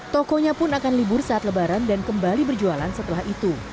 tokonya pun akan libur saat lebaran dan kembali berjualan setelah itu